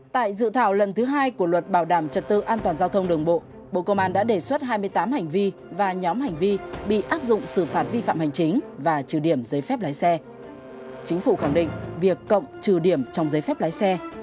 tại dự thảo lần thứ hai của luật bảo đảm trật tự an toàn giao thông đường bộ bộ công an đã đề xuất hai mươi tám hành vi và nhóm hành vi bị áp dụng xử phạt vi phạm hành chính và trừ điểm giấy phép lái xe